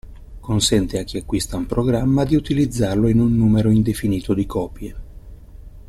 Consente a chi acquista un programma di utilizzarlo in un numero indefinito di copie.